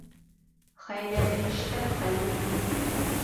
Хәйләле эштә хәйер юҡ.